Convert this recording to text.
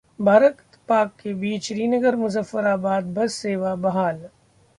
भारत-पाक के बीच श्रीनगर-मुजफ्फराबाद बस सेवा बहाल